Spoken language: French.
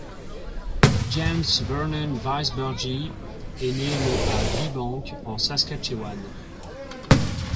James Vernon Weisberge est né le à Vibank en Saskatchewan.